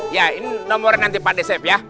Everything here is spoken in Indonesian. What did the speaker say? ya ini nomor nanti pak desep ya